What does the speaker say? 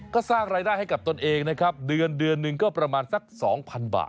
ก็สร้างรายได้ให้กับตนเองนะครับเดือนเดือนหนึ่งก็ประมาณสัก๒๐๐๐บาท